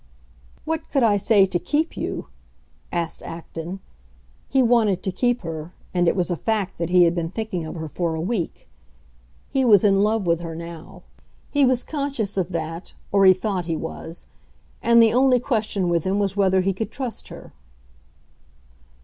"What could I say to keep you?" asked Acton. He wanted to keep her, and it was a fact that he had been thinking of her for a week. He was in love with her now; he was conscious of that, or he thought he was; and the only question with him was whether he could trust her.